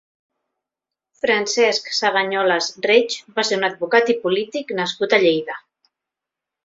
Francesc Sagañoles Reig va ser un advocat i polític nascut a Lleida.